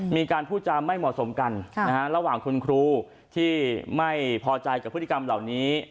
มีการพูดจาไม่เหมาะสมกันระหว่างคุณครูที่ไม่พอใจกับพฤติกรรมเหล่านี้